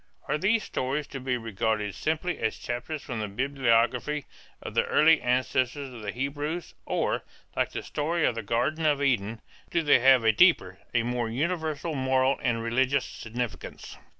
Are these stories to be regarded simply as chapters from the biography of the early ancestor of the Hebrews or, like the story of the Garden of Eden, do they have a deeper, a more universal moral and religious significance?